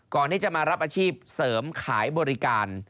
ก่อนที่จะมารับอาชีพเสริมขายบริการ